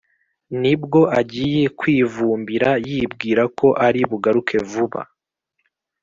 ni bwo agiye kwivumbira yibwira ko ari bugaruke vuba.